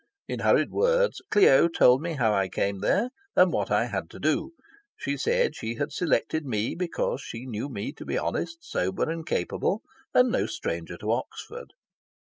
In hurried words Clio told me how I came there, and what I had to do. She said she had selected me because she knew me to be honest, sober, and capable, and no stranger to Oxford.